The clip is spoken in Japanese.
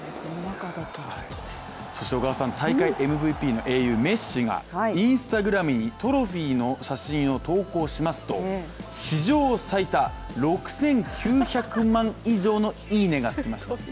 そして小川さん、大会ＭＶＰの英雄・メッシがＩｎｓｔａｇｒａｍにトロフィーの写真を投稿しますと史上最多６９００万以上のいいねがつきました。